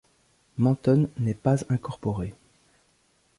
Mentone n’est pas incorporée.